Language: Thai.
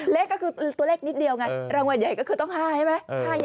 เลขก็คือตัวเลขนิดเดียวไงรางวัลใหญ่ก็คือต้อง๕ใช่ไหม